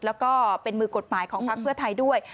แล้วก็เป็นมือกฎหมายของพักเพื่อไทยด้วย